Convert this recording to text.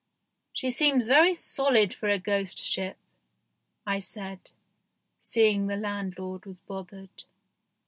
" She seems very solid for a ghost ship," I said, seeing the landlord was bothered.